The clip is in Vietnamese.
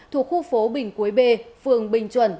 thuộc khu phố bình cuối b phường bình chuẩn